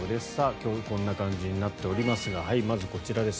今日はこんな感じになっておりますがまずはこちらです。